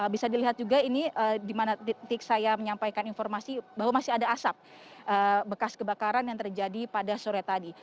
bisa dilihat juga ini di mana titik saya menyampaikan informasi bahwa masih ada asap bekas kebakaran yang terjadi pada sore tadi